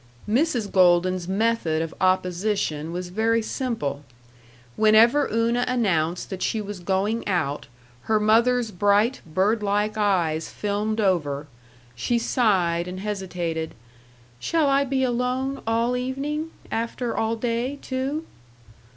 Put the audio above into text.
Mrs. Golden's method of opposition was very simple. Whenever Una announced that she was going out, her mother's bright, birdlike eyes filmed over; she sighed and hesitated, "Shall I be alone all evening after all day, too?"